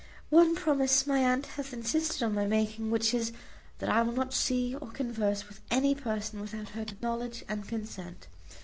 One promise my aunt hath insisted on my making, which is, that I will not see or converse with any person without her knowledge and consent.